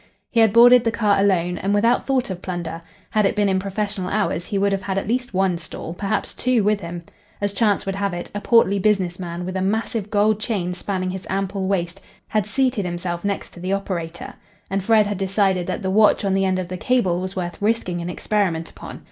He had boarded the car alone and without thought of plunder. Had it been in professional hours, he would have had at least one "stall" perhaps two with him. As chance would have it, a portly business man, with a massive gold chain spanning his ample waist, had seated himself next the operator. And Fred had decided that the watch on the end of the cable was worth risking an experiment upon.